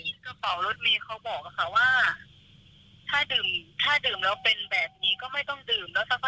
ก็ได้ยินกระเป๋ารถเมฆเขาบอกว่าถ้าดื่มแล้วเป็นแบบนี้ก็ไม่ต้องดื่ม